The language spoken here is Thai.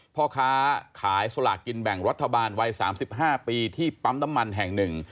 พ่อค้าขายสลากกินแบ่งรัฐบาลวัย๓๕ปีที่ปั๊มน้ำมันแห่งหนึ่ง